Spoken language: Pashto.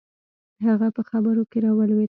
هغه په خبرو کښې راولويد.